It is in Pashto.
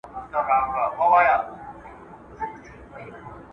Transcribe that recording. مخامخ وو د سلمان دوکان ته تللی ,